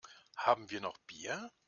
Haben wir noch Bier?